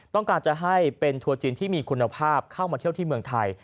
ต้องการจะให้เป็นทัวร์จีนที่มีคุณภาพเข้ามาเที่ยวที่เมืองไทย